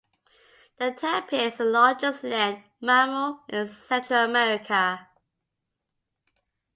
The tapir is the largest land mammal in Central America.